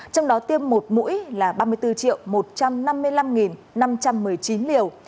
trong đó tiêm một mũi là ba mươi bốn một trăm năm mươi năm năm trăm một mươi chín liều